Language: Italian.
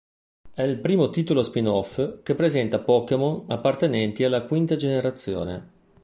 È il primo titolo spin-off che presenta Pokémon appartenenti alla quinta generazione.